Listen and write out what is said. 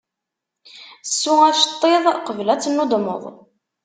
Ssu aceṭṭiḍ, qbel ad tennudmeḍ.